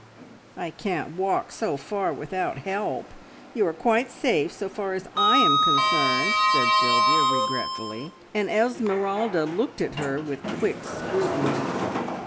"I can't walk so far without help. You are quite safe so far as I am concerned," said Sylvia regretfully, and Esmeralda looked at her with quick scrutiny.